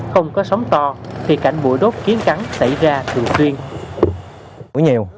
không có sóng to thì cảnh bụi đốt kiến cắn xảy ra thường xuyên